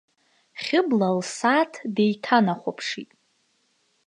Хьыбла лсааҭ деиҭанахәаԥшит.